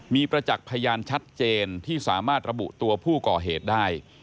มีประจักษ์พยานชัดเจนที่สามารถระบุตัวผู้ก่อเหตุได้